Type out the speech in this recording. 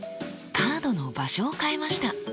カードの場所を変えました。